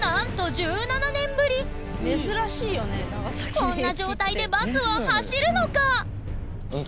こんな状態でバスは走るのか⁉運休？